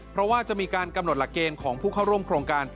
เพราะว่าจะมีการกำหนดหลักเกณฑ์ของผู้เข้าร่วมโครงการ